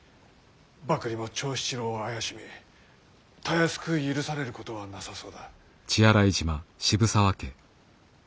幕吏も長七郎を怪しみたやすく許されることはなさそうだ。